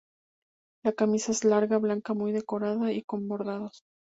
La camisa es larga, blanca, muy decorada y con bordados.